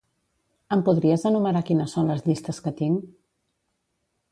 Em podries enumerar quines són les llistes que tinc?